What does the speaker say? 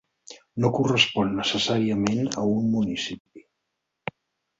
No correspon necessàriament a un "municipi".